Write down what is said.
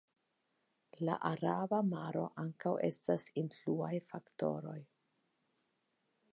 La Araba Maro ankaŭ estas influaj faktoroj.